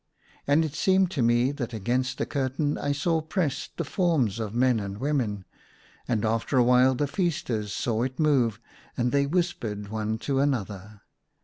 And it seemed to me, that against the curtain I saw pressed the forms of men and women. And after a while the feasters saw it move, and they whispered, one to another.